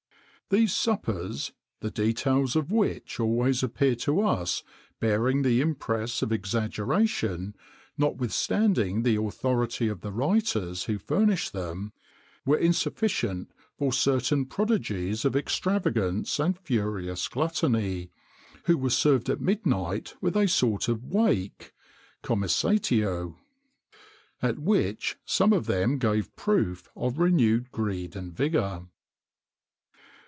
These suppers, the details of which always appear to us as bearing the impress of exaggeration, notwithstanding the authority of the writers who furnish them, were insufficient for certain prodigies of extravagance and furious gluttony, who were served at midnight with a sort of "wake" (comissatio),[XXIX 71] at which some of them gave proof of renewed greed and vigour.